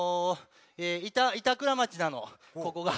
板倉町なのここが。